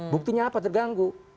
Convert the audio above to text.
buktinya apa terganggu